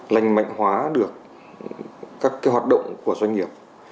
lành mạnh hóa được các hoạt động của doanh nghiệp